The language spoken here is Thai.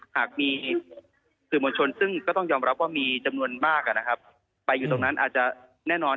หากมีสื่อมวลชนซึ่งก็ต้องยอมรับว่ามีจำนวนมากไปอยู่ตรงนั้นอาจจะแน่นอน